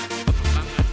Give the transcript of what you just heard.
kampus betul betul menjadi